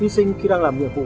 hy sinh khi đang làm nhiệm vụ